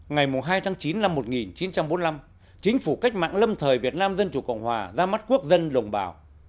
ngày hai tháng chín năm một nghìn chín trăm bốn mươi năm chính phủ cách mạng lâm thời việt nam dân chủ cộng hòa ra mắt quốc dân đồng bào